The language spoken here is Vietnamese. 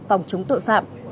phòng chống tội phạm